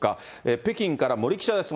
北京から森記者です。